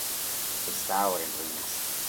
Esta ahora en ruinas.